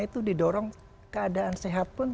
itu didorong keadaan sehat pun